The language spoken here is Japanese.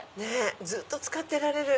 ずっと使ってられる。